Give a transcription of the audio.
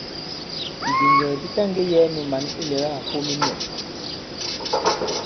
Bìdìŋgɛ̀ bi taŋgē yɛ̄ɛ nu mǎn ilɛ̀gâ à fom i myɔ̂k.